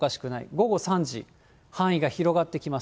午後３時、範囲が広がってきます。